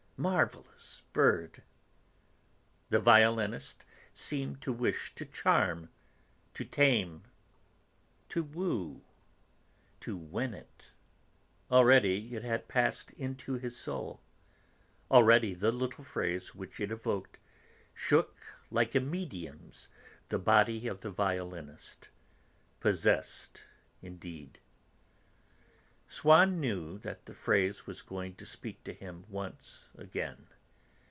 Marvellous bird! The violinist seemed to wish to charm, to tame, to woo, to win it. Already it had passed into his soul, already the little phrase which it evoked shook like a medium's the body of the violinist, 'possessed' indeed. Swann knew that the phrase was going to speak to him once again.